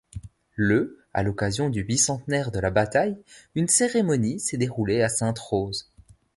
Le à l'occasion du bicentenaire de la bataille une cérémonie s'est déroulée à Sainte-Rose.